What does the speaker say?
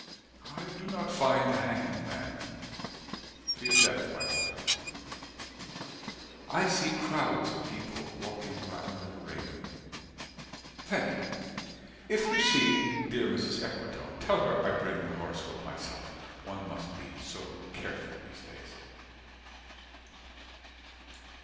I do not find The Hanged Man. Fear death by water. I see crowds of people, walking round in a ring. Thank you. If you see dear Mrs. Equitone, Tell her I bring the horoscope myself: One must be so careful these days.